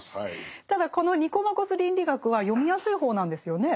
ただこの「ニコマコス倫理学」は読みやすい方なんですよね。